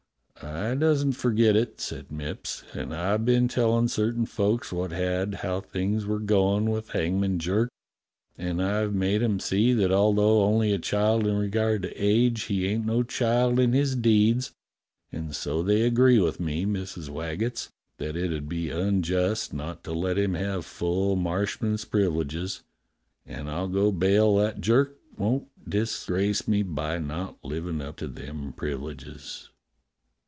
"I doesn't forget it," said Mipps, "and I've been tellin' certain folk wot had, how things were goin* with Hangman Jerk, and I've made 'em see that although only a child in regard to age, he ain't no child in his deeds, and so they agreed with me, Missus Waggetts, that it 'ud be unjust not to let him have full Marsh man's privileges; and I'll go bail that Jerk won't dis grace me by not livin' up to them privileges."